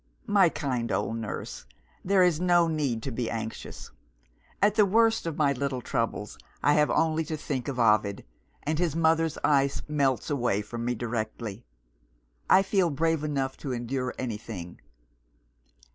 My kind old nurse, there is no need to be anxious. At the worst of my little troubles, I have only to think of Ovid and his mother's ice melts away from me directly; I feel brave enough to endure anything.